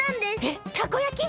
えたこ焼き！？